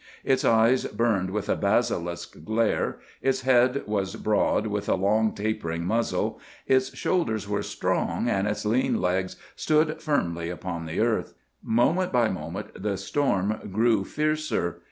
Its eyes burned with a basilisk glare; its head was broad, with a long, tapering muzzle; its shoulders were strong, and its lean legs stood firmly upon the earth. Moment by moment the storm grew fiercer.